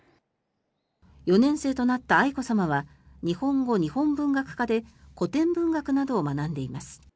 ４年生となった愛子さまは日本語日本文学科で古典文学などを学んでいます。